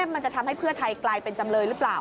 มันจะทำให้เพื่อไทยกลายเป็นจำเลยหรือเปล่า